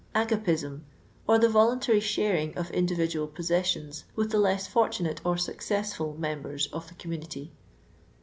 Agapism; or the roluntaiy shariag of indiTidual possessions with Uie leu fortu > Bate or successful members of the com munity.